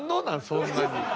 そんなに。